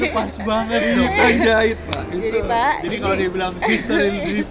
jadi kalau dibilang history repeat itself